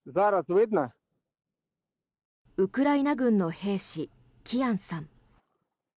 ウクライナ軍の兵士キヤンさん。